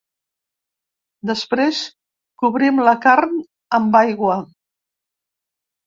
Després, cobrim la carn amb aigua.